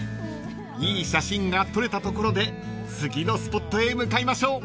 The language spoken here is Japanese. ［いい写真が撮れたところで次のスポットへ向かいましょう］